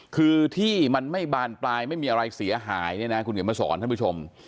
คือที่มันไม่บานปลายไม่มีอะไรเสียหายเนี่ยนะคุณเขียนมาสอนท่านผู้ชม